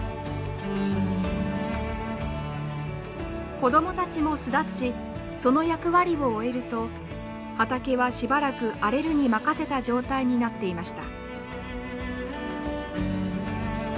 子供たちも巣立ちその役割を終えると畑はしばらく荒れるに任せた状態になっていました。